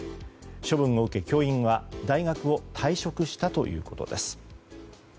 処分を受け教員は大学を退職したということです。